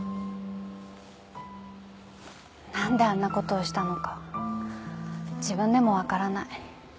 何であんなことをしたのか自分でも分からない。